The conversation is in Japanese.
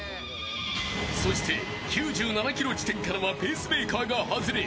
そして９７キロ地点からはペースメーカーが外れ